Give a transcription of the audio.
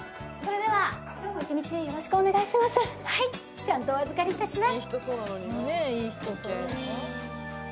ちゃんとお預かりいたします。